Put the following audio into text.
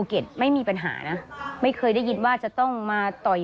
เพื่อที่จะได้หายป่วยทันวันที่เขาชีจันทร์จังหวัดชนบุรี